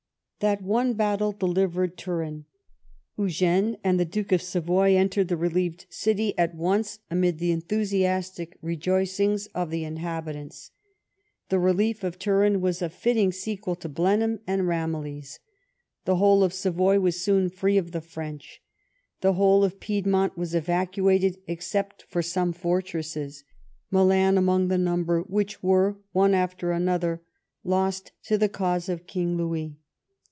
That one battle delivered Turin. Eugene and the Duke of Savoy entered the relieved city at once amid the enthusiastic rejoicings of the inhabitants. The relief of Turin was a fitting sequel to Blenheim and Ramillies. The whole of Savoy was soon free of the French. The whole of Piedmont was evacuated except for some fortresses, Milan among the number, which were, one after another, lost to the cause of King Louis.